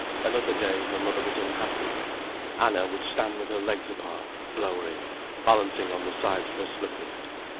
Another day, her mother was unhappy. Anna would stand with her legs apart, glowering, balancing on the sides of her slippers.